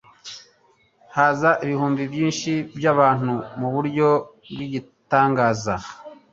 ahaza ibihumbi byinshi by'abantu mu buryo bw'igitangaza,